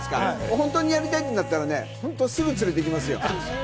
本当にやりたいっていうんだったら、すぐ連れて行きますよ。